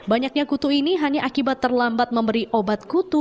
banyaknya kutub ini hanya akibat terlambat memberi obat kutub